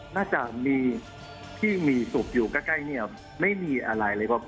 น่าจะมีที่มีศพอยู่ใกล้เนี่ยไม่มีอะไรเลยครับ